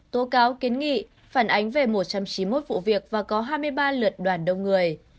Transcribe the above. tố cáo kiến nghị phản ánh về một trăm chín mươi một vụ việc và có hai mươi ba lượt đoàn đông người